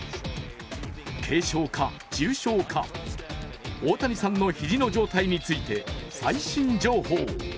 軽傷か、重傷か大谷さんの肘の状態について最新情報。